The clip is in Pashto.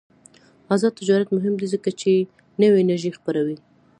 آزاد تجارت مهم دی ځکه چې نوې انرژي خپروي.